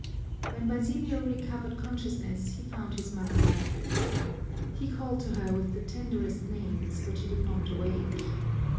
When Basilio recovered consciousness he found his mother lifeless. He called to her with the tenderest names, but she did not awake.